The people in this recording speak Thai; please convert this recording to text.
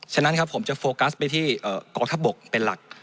ฉะนั้นครับผมจะโฟกัสไปที่กองทัพบกเป็นหลัก